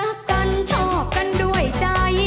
สวัสดีค่ะ